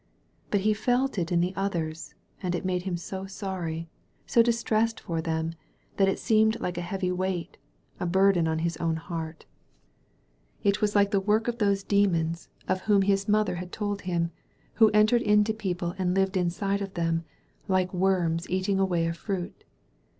But he felt it in the others, and it made him so sorry, so distressed for them, that it seemed like a heavy weight, a burden on his own heart. It was like the ^95 THE VALLEY OF VISION work of those demons, of whom his mother had told him> who entered into people and lived inside of them, like worms eating away a fruit.